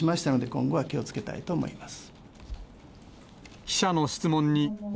今後は気をつけたいと思います。